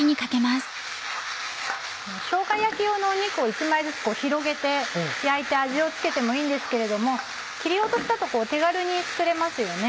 しょうが焼き用の肉を１枚ずつ広げて焼いて味を付けてもいいんですけれども切り落としだと手軽に作れますよね。